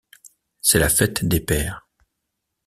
C'est la fête des pères.